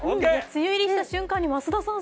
梅雨入りした瞬間、増田さん